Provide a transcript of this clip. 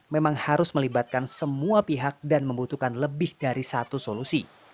memang harus melibatkan semua pihak dan membutuhkan lebih dari satu solusi